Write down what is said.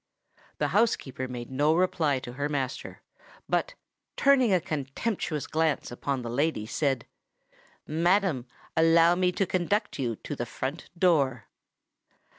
The housekeeper made no reply to her master; but, turning a contemptuous glance upon the lady, said, "Madam, allow me to conduct you to the front door."